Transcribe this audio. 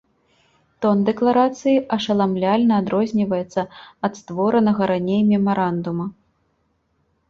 Тон дэкларацыі ашаламляльна адрозніваецца ад створанага раней мемарандума.